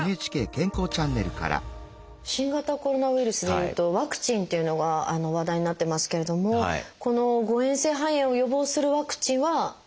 新型コロナウイルスで言うとワクチンっていうのが話題になってますけれどもこの誤えん性肺炎を予防するワクチンは今はないですか？